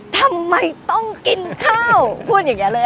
ทำไมต้องกินข้าวพูดอย่างนี้เลย